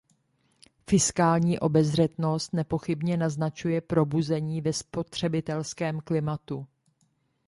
Fiskální obezřetnost nepochybně naznačuje probuzení ve spotřebitelském klimatu.